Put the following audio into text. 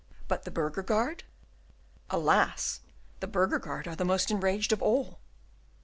"But the burgher guard?" "Alas! the burgher guard are the most enraged of all."